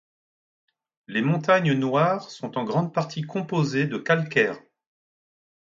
Les Montagnes Noires sont en grande partie composées de calcaire.